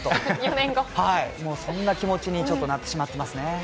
もう、そんな気持ちになってしまっていますね。